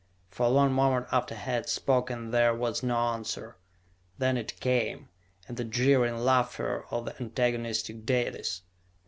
For a long moment after he had spoken there was no answer. Then it came, in the jeering laughter of the antagonistic Dalis.